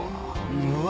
うわ！